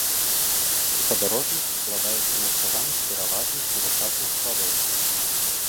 Спадарожнік складаецца меркавана з пераважна сілікатных парод.